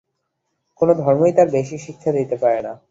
কোন ধর্মই তার বেশী শিক্ষা দিতে পারে না।